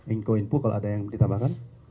inko inpu kalau ada yang ditambahkan